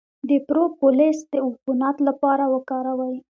د پروپولیس د عفونت لپاره وکاروئ